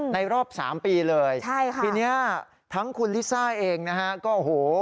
ในรอบ๓ปีเลยปีนี้ทั้งคุณลิซ่าเองนะฮะก็โอ้โฮ